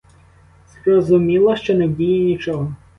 Зрозуміла, що не вдіє нічого.